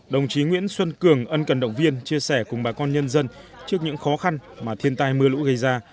đồng chí nguyễn xuân cường ân cần động viên chia sẻ cùng bà con nhân dân trước những khó khăn mà thiên tai mưa lũ gây ra